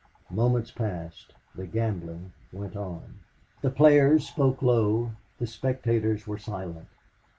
Moments passed. The gambling went on. The players spoke low; the spectators were silent.